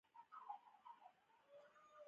سیمونز وویل: مډالونه ټول ده وړي، یو بل څه هم شته.